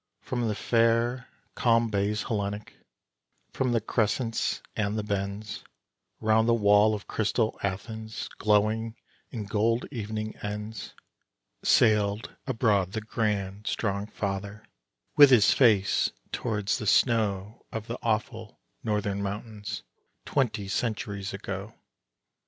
From the fair, calm bays Hellenic, from the crescents and the bends, Round the wall of crystal Athens, glowing in gold evening ends, Sailed abroad the grand, strong father, with his face towards the snow Of the awful northern mountains, twenty centuries ago.